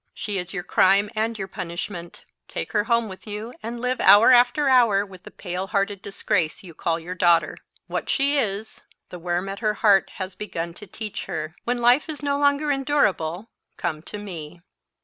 She is your crime and your punishment. Take her home with you, and live hour after hour with the pale hearted disgrace you call your daughter. What she is, the worm at her heart has begun to teach her. When life is no longer endurable, come to me.